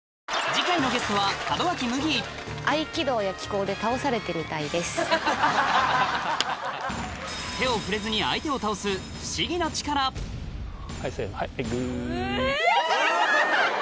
次回のゲストは手を触れずに相手を倒す不思議な力はいせのはいぐっ。